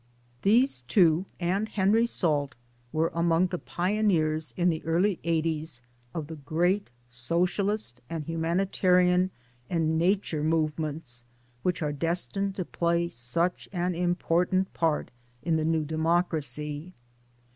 These two and. Henry Salt were among the pioneers in the early eighties of the great Socialist and Humanitarian and Nature movements which are destined to play such an important part in the new Democracy.